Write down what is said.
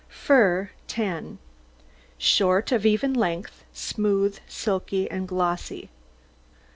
FUR 10 Short, of even length, smooth, silky, and glossy.